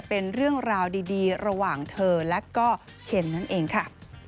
เป็นเรื่องราวดีระหว่างเธอและก็เคนนั่นเองค่ะ